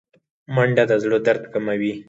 منډه د زړه درد کموي